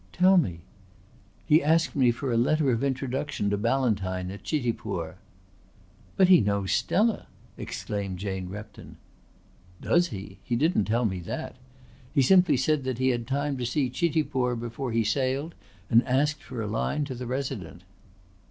"Tell me!" "He asked me for a letter of introduction to Ballantyne at Chitipur." "But he knows Stella!" exclaimed Jane Repton. "Does he? He didn't tell me that! He simply said that he had time to see Chitipur before he sailed and asked for a line to the Resident."